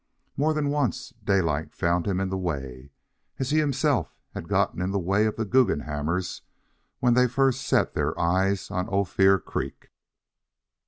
More than once Daylight found him in the way, as he himself had got in the way of the Guggenhammers when they first set their eyes on Ophir Creek.